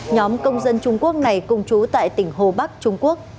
nhóm công dân trung quốc này cùng chú tại tỉnh hồ bắc trung quốc